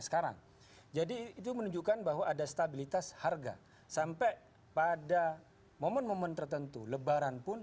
sekarang jadi itu menunjukkan bahwa ada stabilitas harga sampai pada momen momen tertentu lebaran pun